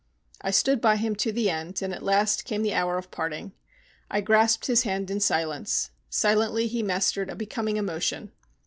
I stood by him to the end, and at last came the hour of parting. I grasped his hand in silence: silently he mastered a becoming emotion.